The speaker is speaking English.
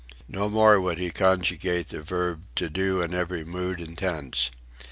No more would he conjugate the verb "to do in every mood and tense."